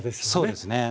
そうですね。